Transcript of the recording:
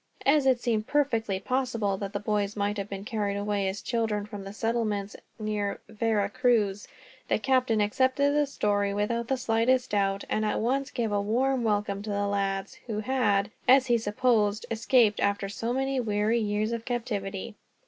As it seemed perfectly possible that the boys might have been carried away, as children, from the settlements near Vera Cruz, the captain accepted the story without the slightest doubt, and at once gave a warm welcome to the lads; who had, as he supposed, escaped after so many weary years of captivity.